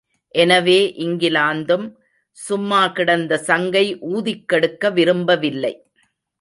எனவே இங்கிலாந்தும் சும்மாகிடந்த சங்கை ஊதிக்கெடுக்க விரும்பவில்லை.